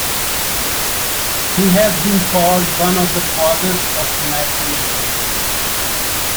He has been called one of the fathers of American Universalism.